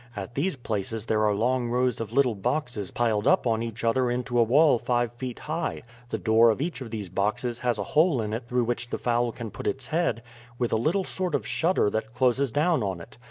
At these places there are long rows of little boxes piled up on each other into a wall five feet high. The door of each of these boxes has a hole in it through which the fowl can put its head, with a little sort of shutter that closes down on it.